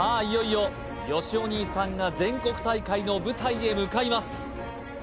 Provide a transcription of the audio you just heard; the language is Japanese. いよいよよしお兄さんが全国大会の舞台へ向かいます